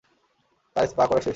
তার স্পা করা শেষ।